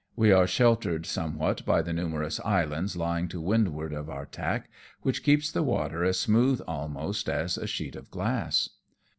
We are sheltered some what by the numerous islands lying to windward of our track, which keeps the water as smooth almost as a sheet of glass.